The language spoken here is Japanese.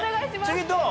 次どう？